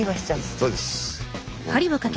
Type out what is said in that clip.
そうです。